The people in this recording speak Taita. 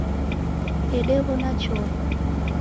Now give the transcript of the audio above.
Dedewona chovu.